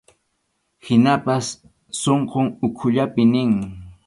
Hinaspas sunqun ukhullapi nin.